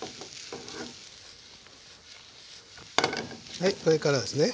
はいそれからですね。